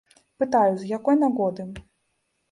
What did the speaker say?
Пытаю, з якой нагоды.